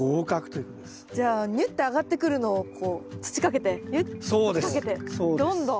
じゃあニュッて上がってくるのをこう土かけてニュッ土かけてどんどん。